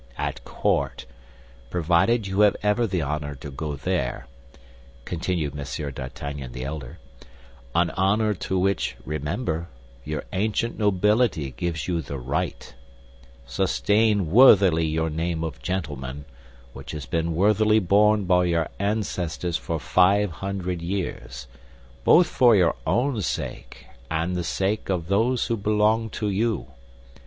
At court, provided you have ever the honor to go there," continued M. d'Artagnan the elder, "—an honor to which, remember, your ancient nobility gives you the right—sustain worthily your name of gentleman, which has been worthily borne by your ancestors for five hundred years, both for your own sake and the sake of those who belong to you.